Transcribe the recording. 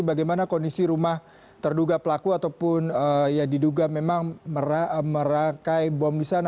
bagaimana kondisi rumah terduga pelaku ataupun yang diduga memang merangkai bom di sana